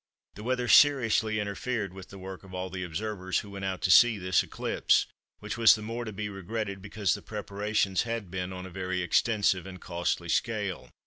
The weather seriously interfered with the work of all the observers who went out to see this eclipse, which was the more to be regretted because the preparations had been on a very extensive and costly scale.